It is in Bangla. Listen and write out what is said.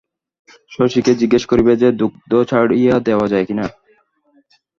শশীকে জিজ্ঞাসা করিবে যে, দুগ্ধ ছাড়িয়া দেওয়া যায় কিনা।